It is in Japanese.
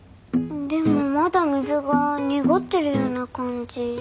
でもまだ水が濁ってるような感じ。